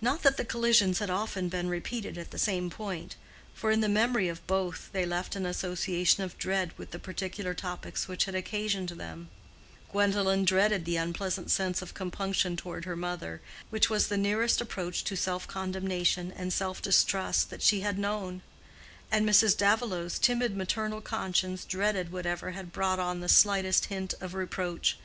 Not that the collisions had often been repeated at the same point; for in the memory of both they left an association of dread with the particular topics which had occasioned them: Gwendolen dreaded the unpleasant sense of compunction toward her mother, which was the nearest approach to self condemnation and self distrust that she had known; and Mrs. Davilow's timid maternal conscience dreaded whatever had brought on the slightest hint of reproach.